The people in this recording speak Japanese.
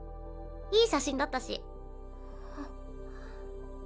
いい写真だったし。